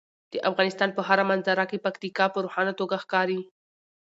د افغانستان په هره منظره کې پکتیکا په روښانه توګه ښکاري.